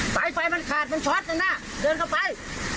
ไฟมันขาดมันช็อตด้านหน้าเดินเข้าไป